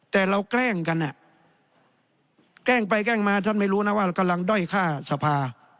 แต่เราแกล้งกันแกล้งไปแกล้งมาท่านไม่รู้นะว่าเรากำลังด้อยฆ่าสภา